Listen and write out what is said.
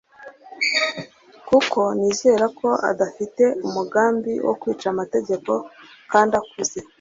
kuko nizera ko adafite umugambi wo kwica amategeko kandi akuze